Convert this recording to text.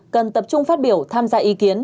cần tập trung phát biểu tham gia ý kiến